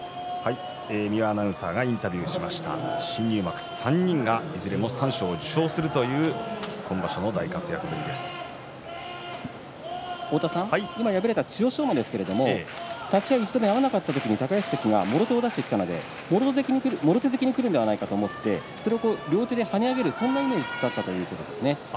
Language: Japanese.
新入幕３人がいずれも三賞を受賞するという今敗れた千代翔馬ですけれども立ち合い、一度合わなかった時に高安関がもろ手を出してきたのでもろ手突きでくるのではないかと思ってそれを両手で跳ね上げるそんなイメージだったということです。